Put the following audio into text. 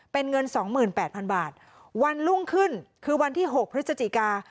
เป็นเงินสองหมื่นแปดพันบาทวันรุ่งขึ้นคือวันที่หกพฤศจิกา